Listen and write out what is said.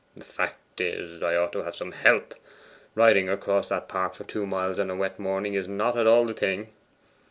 The fact is, I ought to have some help; riding across that park for two miles on a wet morning is not at all the thing.